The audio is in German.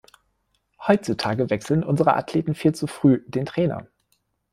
Heutzutage wechseln unsere Athleten viel zu früh den Trainer.